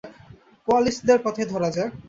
কোয়ালিস্টদের কথাই ধরা যাক।